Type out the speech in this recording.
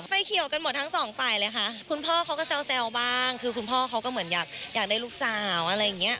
เขียวกันหมดทั้งสองฝ่ายเลยค่ะคุณพ่อเขาก็แซวบ้างคือคุณพ่อเขาก็เหมือนอยากได้ลูกสาวอะไรอย่างเงี้